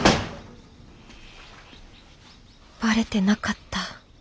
バレてなかった。